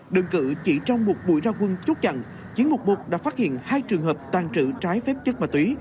đơn cử chỉ trong một buổi ra quân chốt chặn chiến mục một đã phát hiện hai trường hợp tàn trữ trái phép chất ma túy